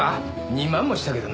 ２万もしたけどな。